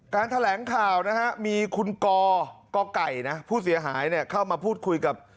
แถลงข่าวนะฮะมีคุณกกไก่นะผู้เสียหายเข้ามาพูดคุยกับ